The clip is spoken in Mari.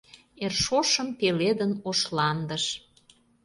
Эр шошым пеледын ош ландыш.